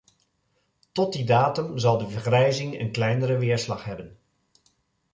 Tot die datum zal de vergrijzing een kleinere weerslag hebben.